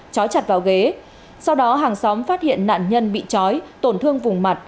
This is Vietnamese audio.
chói chặt vào ghế sau đó hàng xóm phát hiện nạn nhân bị chói tổn thương vùng mặt